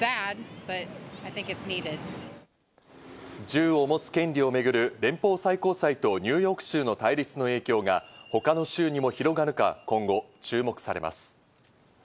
銃を持つ権利をめぐる連邦最高裁とニューヨーク州の対立の影響が、他の州にも広がるか今後注目されます。